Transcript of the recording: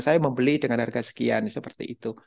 saya membeli dengan harga sekian seperti itu